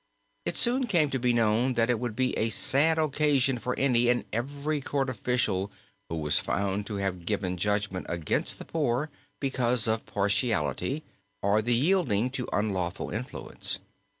It soon came to be known, that it would be a sad occasion for any and every court official who was found to have given judgment against the poor because of partiality or the yielding to unlawful influence.